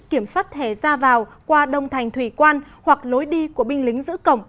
kiểm soát thẻ ra vào qua đông thành thủy quan hoặc lối đi của binh lính giữ cổng